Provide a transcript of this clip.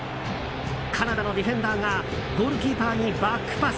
カナダのディフェンダーがモロッコにバックパス。